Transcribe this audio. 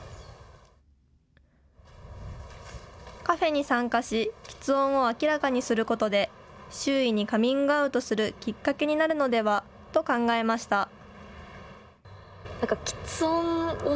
カフェに参加しきつ音を明らかにすることで周囲にカミングアウトするきっかけになるのではと考えました。